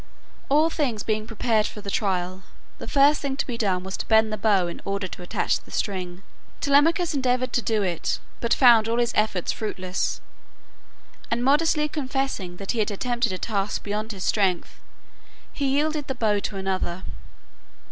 All things being prepared for the trial, the first thing to be done was to bend the bow in order to attach the string. Telemachus endeavored to do it, but found all his efforts fruitless; and modestly confessing that he had attempted a task beyond his strength, he yielded the bow to another.